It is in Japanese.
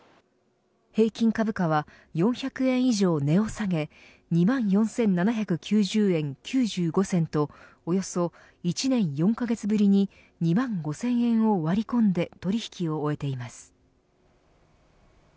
平均株価は４００円以上値を下げ２万４７９０円９５銭とおよそ１年４カ月ぶりに２万５０００円を割り込んで取引を終えています。